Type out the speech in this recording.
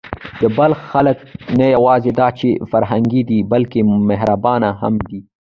د بلخ خلک نه یواځې دا چې فرهنګي دي، بلکې مهربانه هم دي.